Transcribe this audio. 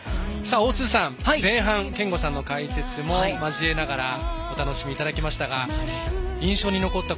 大鈴さん、前半憲剛さんの解説も交えながらお楽しみいただきましたが印象に残った